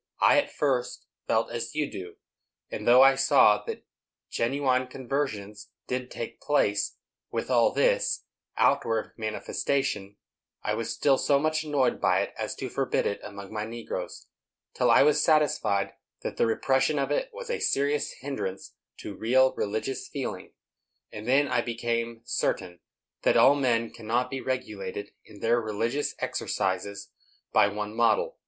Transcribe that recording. I, at first, felt as you do; and, though I saw that genuine conversions did take place, with all this outward manifestation, I was still so much annoyed by it as to forbid it among my negroes, till I was satisfied that the repression of it was a serious hindrance to real religious feeling; and then I became certain that all men cannot be regulated in their religious exercises by one model.